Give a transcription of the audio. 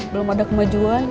belum ada kemajuan